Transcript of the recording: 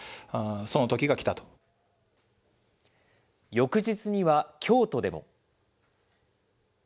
翌日には京都でも。